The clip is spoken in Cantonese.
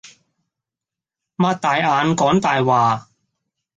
擘大眼講大話